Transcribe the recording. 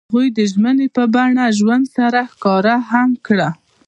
هغوی د ژمنې په بڼه ژوند سره ښکاره هم کړه.